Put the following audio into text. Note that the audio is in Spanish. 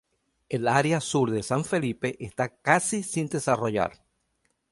El área al sur de San Felipe está casi sin desarrollar.